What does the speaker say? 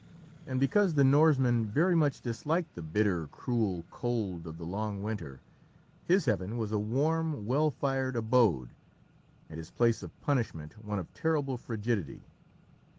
And because the Norseman very much disliked the bitter, cruel cold of the long winter, his heaven was a warm, well fired abode, and his place of punishment one of terrible frigidity.